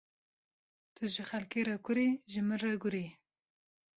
Tu ji xelkê re kur î, ji min re gur î.